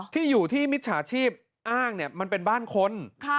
ที่อยู่ที่มิจฉาชีพอ้างมันเป็นบ้านคน